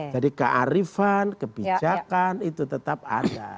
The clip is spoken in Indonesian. kearifan kebijakan itu tetap ada